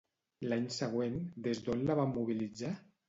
L'any següent, des d'on la van mobilitzar?